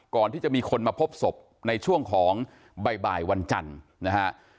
ก่อนที่จะมีคนมาพบศพในช่วงของบ่ายวันจันทร์นะฮะ